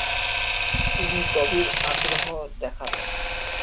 তিনি গভীর আগ্রহ দেখাতেন।